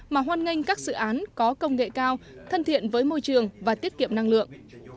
mà hoan nghênh các dự án có công nghệ cao thân thiện với môi trường và tiết kiệm năng lượng